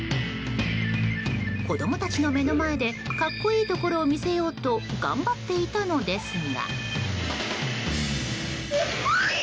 子供たちの目の前で格好いいところを見せようと頑張っていたのですが。